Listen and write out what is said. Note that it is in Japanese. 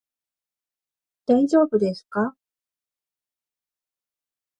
大丈夫ですか？